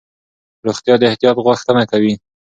روغتیا د احتیاط غوښتنه کوي.